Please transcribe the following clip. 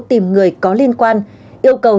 tìm người có liên quan yêu cầu